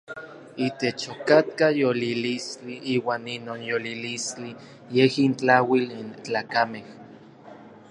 Itech okatka yolilistli, iuan inon yolilistli yej intlauil n tlakamej.